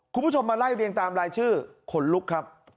คุณผู้ชมมาไล่เรียงตามรายชื่อขนลุกครับ